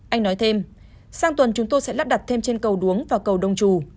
anh nói thêm sang tuần chúng tôi sẽ lắp đặt thêm chân cầu đuống và cầu đông trù